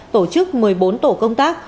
tổ chức một mươi bốn tổ công tác